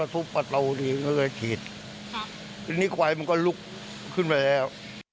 ทีนี้ไฟมันก็ลุกขึ้นไปแล้ว